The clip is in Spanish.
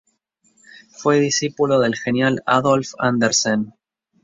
Fue discípulo del genial Adolf Anderssen.